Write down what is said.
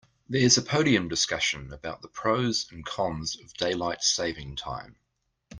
There's a podium discussion about the pros and cons of daylight saving time.